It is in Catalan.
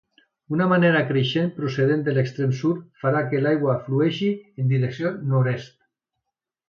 Una marea creixent procedent de l'extrem sud farà que l'aigua flueixi en direcció nord-est.